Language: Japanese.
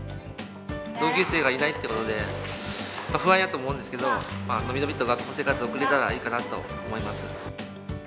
同級生がいないってことで、不安だと思うんですけど、伸び伸びと学校生活送れたらいいかなと思います。